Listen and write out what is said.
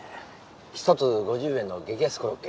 １つ５０円の激安コロッケ。